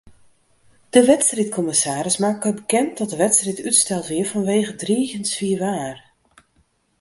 De wedstriidkommissaris makke bekend dat de wedstriid útsteld wie fanwege driigjend swier waar.